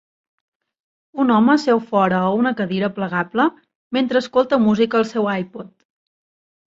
Un home seu fora a una cadira plegable mentre escolta música al seu iPod.